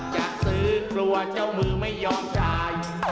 จะซื้อกลัวเจ้ามือไม่ยอมจ่าย